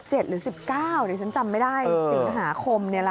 ๑๗หรือ๑๙เดี๋ยวฉันจำไม่ได้สินหาคมนี่แหละค่ะ